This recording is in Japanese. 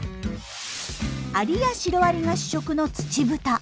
アリやシロアリが主食のツチブタ。